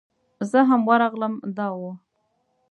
زه هم ورغلم دا و.